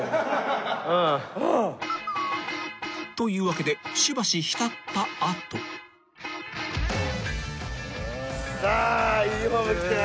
［というわけでしばし浸った後］さあユニホーム着て。